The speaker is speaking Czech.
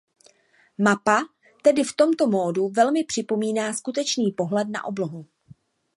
Mapa tedy v tomto módu velmi připomíná skutečný pohled na oblohu.